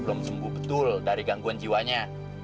belum sembuh betul dari gangguan jiwanya